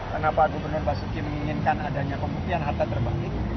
kenapa gubernur basuki menginginkan adanya pembuktian harta terbaik